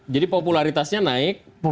jadi popularitasnya naik elektabilitasnya turun